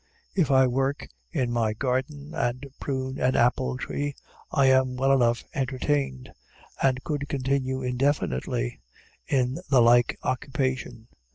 If I work in my garden and prune an apple tree, I am well enough entertained, and could continue indefinitely in the like occupation.